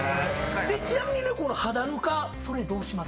ちなみにこの肌ぬかそれどうします？